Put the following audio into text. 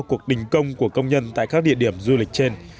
cuộc đình công của công nhân tại các địa điểm du lịch trên